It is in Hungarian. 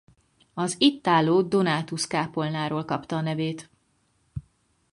Az itt álló Donátus-kápolnáról kapta a nevét.